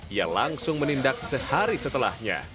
ia langsung menindak sehari setelahnya